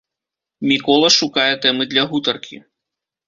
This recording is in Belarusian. Мікола шукае тэмы для гутаркі.